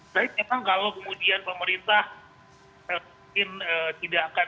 saya cakap kalau kemudian pemerintah mungkin tidak akan